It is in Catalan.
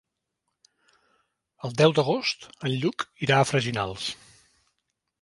El deu d'agost en Lluc irà a Freginals.